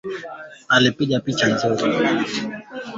kuzungumza kwa ukaribu na Jackson